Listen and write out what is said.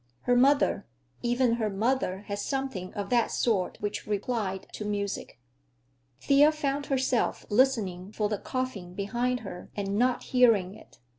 Her mother—even her mother had something of that sort which replied to music. Thea found herself listening for the coughing behind her and not hearing it.